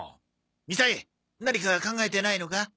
みさえ何か考えてないのか？